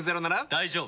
大丈夫。